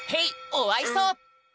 おあいそ！